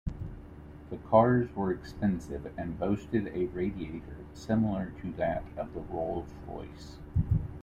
The cars were expensive and boasted a radiator similar to that of the Rolls-Royce.